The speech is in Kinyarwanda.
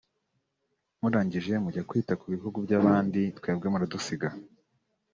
murangije mujya kwita ku bihugu by’abandi twebwe muradusiga